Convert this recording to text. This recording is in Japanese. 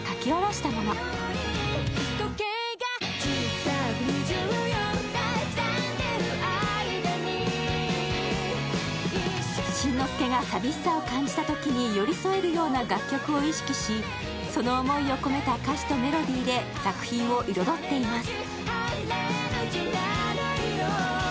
しんのすけが寂しさを感じたときに寄り添えるような楽曲を意識しその思いを込めた歌詞とメロディーで作品を彩っています。